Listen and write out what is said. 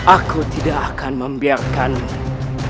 aku tidak akan membiarkanmu